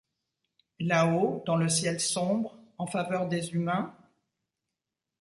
Là-haut, dans le ciel sombre, en faveur des humains ?